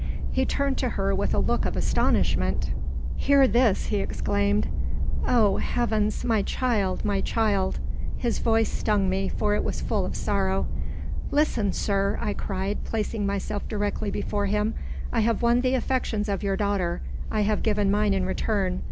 He turned to her with a look of astonishment. "Hear this!" he exclaimed. "Oh, heavens! my child, my child!" His voice stung me, for it was full of sorrow. "Listen, sir!" I cried, placing myself directly before him. "I have won the affections of your daughter. I have given mine in return.